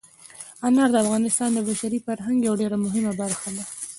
انار د افغانستان د بشري فرهنګ یوه ډېره مهمه برخه ده.